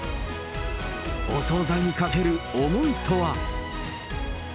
お総菜にかける思いとは。